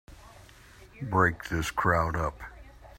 Break this crowd up!